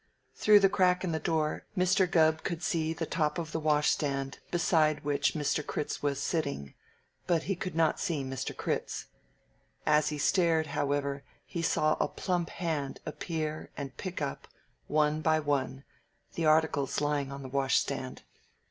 Through the crack in the door Mr. Gubb could see the top of the washstand beside which Mr. Critz was sitting, but he could not see Mr. Critz. As he stared, however, he saw a plump hand appear and pick up, one by one, the articles lying on the washstand.